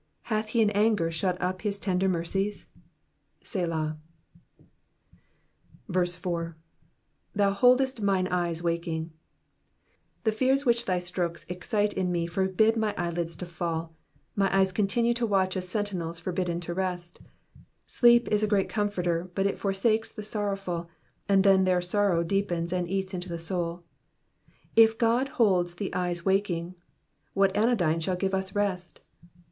hath he in anger shut up his tender mercies ? Selah. 4. ^^Thou holdeft mine eyes uaJcing,^'* The fears which thy strokes excite in me forbid my eyelids to fall, my eyes continue to watch as sentinels forbidden to rest. Sleep is & great comforter, but it forsakes the sorrowful, and then Digitized by VjOOQIC PSALM THE SEVEKTY SEVEXTH. 413 their sorrow deepens and eats into the sonl. If God holds the eyes waking, what anodyne shall give us rest?